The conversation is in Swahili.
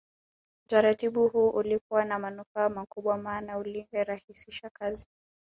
Utaratibu huu ulikuwa na manufaa makubwa maana ulirahisisha kazi